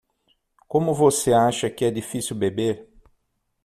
Como você acha que é difícil beber?